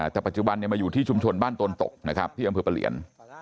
แต่ปัจจุบันมาอยู่ที่ชุมชนบ้านตนตกนะครับที่อำเภอประเหลียน